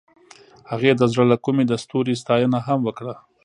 هغې د زړه له کومې د ستوري ستاینه هم وکړه.